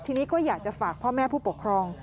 ทีนี้ก็อยากจะฝากพ่อแม่ผู้ปกครอง